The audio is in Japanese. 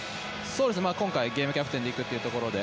今回、ゲームキャプテンで行くというところで